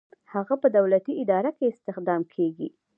هغه په دولتي اداره کې استخدام کیږي.